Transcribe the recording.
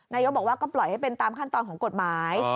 นายกบอกว่าก็ปล่อยให้เป็นตามขั้นตอนของกฎหมาย